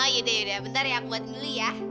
yaudah yaudah bentar ya aku buatin dulu ya